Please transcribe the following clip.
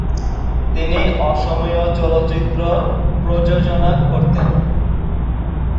তিনি অসমীয়া চলচ্চিত্র প্রযোজনা করতেন।